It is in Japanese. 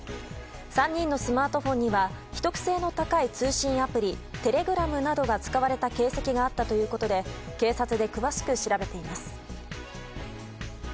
３人のスマートフォンには秘匿性の高いアプリテレグラムなどが使われた形跡があったということで警察で詳しく調べています。